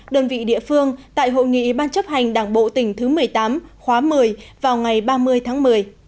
đơn vị địa phương tại hội nghị ban chấp hành đảng bộ tỉnh thứ một mươi tám khóa một mươi vào ngày ba mươi tháng một mươi